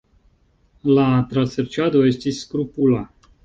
La traserĉado estis skrupula.